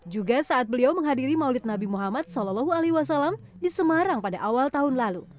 juga saat beliau menghadiri maulid nabi muhammad saw di semarang pada awal tahun lalu